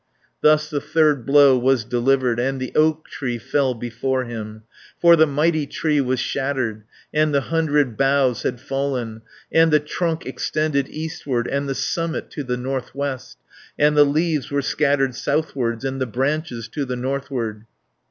Thus the third blow was delivered, And the oak tree fell before him, For the mighty tree was shattered, And the hundred boughs had fallen, And the trunk extended eastward, And the summit to the north west, And the leaves were scattered southwards, And the branches to the northward.